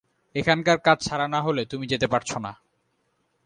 এখানকার কাজ সারা না হলে তুমি যেতে পারছ না।